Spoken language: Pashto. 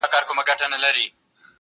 نوي خبرونه د دې کيسې ځای نيسي هر ځای،